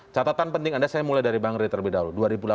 catatan penting anda saya mulai dari bang rey terlebih dahulu